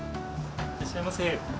いらっしゃいませ。